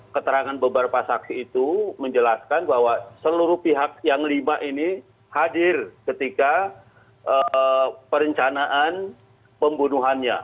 keterangan beberapa saksi itu menjelaskan bahwa seluruh pihak yang lima ini hadir ketika perencanaan pembunuhannya